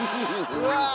うわ！